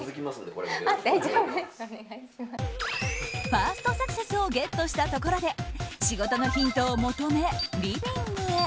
ファーストサクセスをゲットしたところで仕事のヒントを求め、リビングへ。